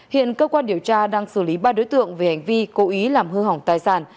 hiện cơ quan điều tra đang xử lý ba đối tượng về hành vi cố ý làm hư hỏng tài sản